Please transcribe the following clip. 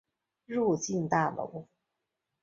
入境大楼